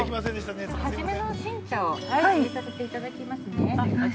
始めの新茶をいれさせていただきますね。